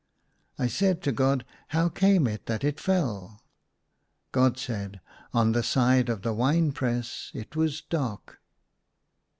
I said to God, *' How came it that it fell?" God said, *' On the side of the wine press it was dark."